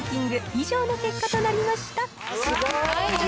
以上の結果となりました。